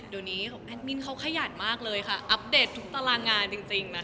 เดี๋ยวนี้ของแอดมินเขาขยันมากเลยค่ะอัปเดตทุกตารางงานจริงนะคะ